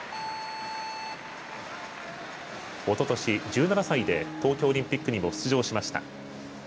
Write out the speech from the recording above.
おととし、１７歳で東京オリンピックにも出場しました。